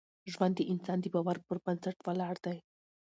ژوند د انسان د باور پر بنسټ ولاړ دی.